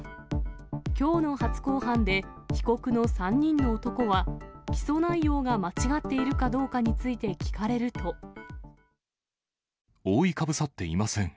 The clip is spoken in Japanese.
きょうの初公判で、被告の３人の男は、起訴内容が間違っているか覆いかぶさっていません。